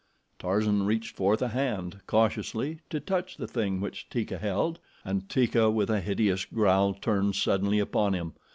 Tarzan reached forth a hand, cautiously, to touch the thing which Teeka held, and Teeka, with a hideous growl, turned suddenly upon him.